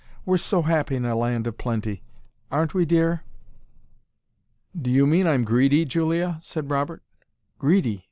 "We're so happy in a land of plenty, AREN'T WE DEAR?" "Do you mean I'm greedy, Julia?" said Robert. "Greedy!